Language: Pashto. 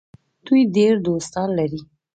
دوی ډیر دوستان لري.